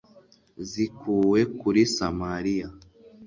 zikuwe kuri samariya